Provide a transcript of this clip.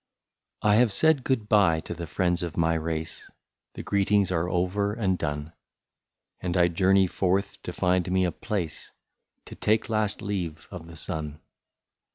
I HAVE said good bye to the friends of my race, The greetings are over and done, — And I journey forth to find me a place To take last leave of the sun.